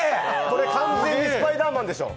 これ、完全にスパイダーマンでしょ。